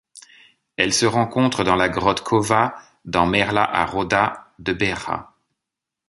Elle se rencontre dans la grotte Cova d'en Merla à Roda de Berà.